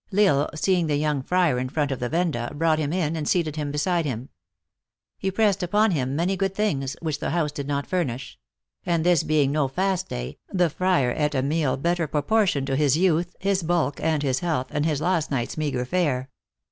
L Isle, seeing the young friar in front of the venda, brought him in and seated him beside him. He pressed upon him many good things, which the house did not furnish ; and this being no fast day, the friar eat a meal better proportioned to his youth, his bulk, and his health, than his last night s meagre fare.